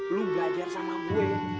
lo belajar sama gue